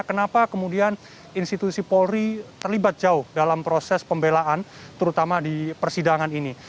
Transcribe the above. kenapa kemudian institusi polri terlibat jauh dalam proses pembelaan terutama di persidangan ini